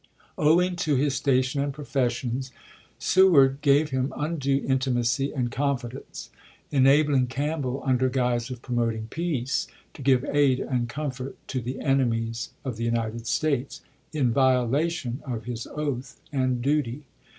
Owing to his station and professions, Seward gave him undue intimacy and confidence, enabling Campbell, under guise of pro moting peace, to give aid and comfort to the enemies of the United States, in violation of his oath and duty.